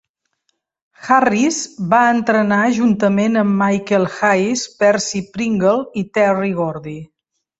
Harris va entrenar juntament amb Michael Hayes, Percy Pringle i Terry Gordy.